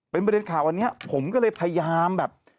เป็นประเด็นข่าวอันนี้ผมก็เลยพยายามแบบ